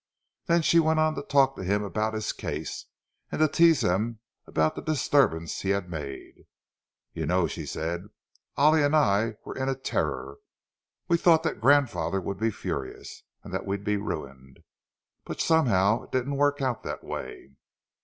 Then she went on to talk to him about his case, and to tease him about the disturbance he had made. "You know," she said, "Ollie and I were in terror—we thought that grandfather would be furious, and that we'd be ruined. But somehow, it didn't work out that way.